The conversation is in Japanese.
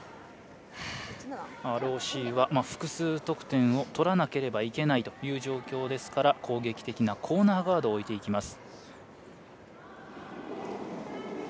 ＲＯＣは複数得点を取らなければいけない状況ですから攻撃的なコーナーガードを置く。